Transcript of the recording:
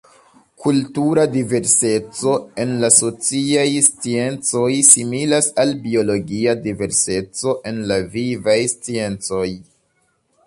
Kultura diverseco en la sociaj sciencoj similas al biologia diverseco en la vivaj sciencoj.